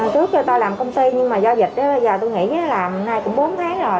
trước tôi làm công ty nhưng mà do dịch đó bây giờ tôi nghĩ là hôm nay cũng muốn